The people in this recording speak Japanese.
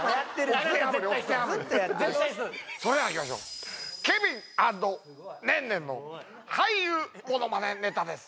それではいきましょうケビン＆ねんねんの俳優ものまねネタです